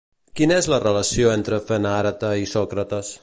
Quina és la relació entre Fenàreta i Sòcrates?